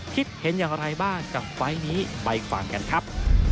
คิดเห็นอย่างไรบ้างกับไฟล์นี้ไปฟังกันครับ